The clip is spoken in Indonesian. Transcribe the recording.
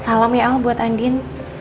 salam ya allah buat andin